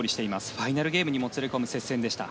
ファイナルゲームにもつれ込む接戦でした。